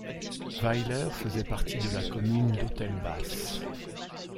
Weyler faisait partie de la commune d’Autelbas.